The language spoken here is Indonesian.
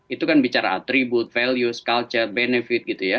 itu kan bicara atribut values culture benefit gitu ya